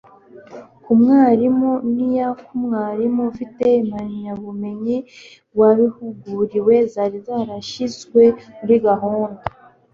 ku mwarimu n iya ku mwarimu ufite impamyabumenyi wabihuguriwe zari zarashyizwe muri gahunda